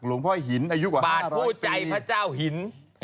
หลวงพ่อหินอายุกว่าบาทคู่ใจพระเจ้าหิน